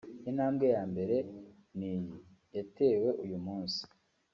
intambwe ya mbere ni iyi yatewe uyu munsi